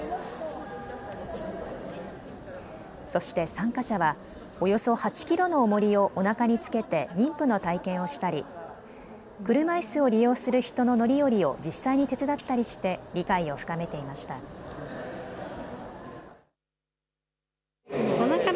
そして参加者はおよそ８キロのおもりをおなかにつけて妊婦の体験をしたり車いすを利用する人の乗り降りを実際に手伝ったりして理解を深めていました。